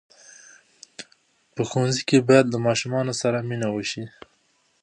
په ښوونځي کې باید له ماشوم سره مینه وسي.